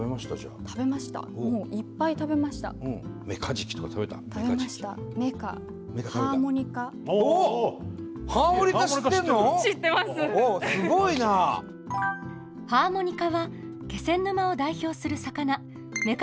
何回も食べましたハーモニカ。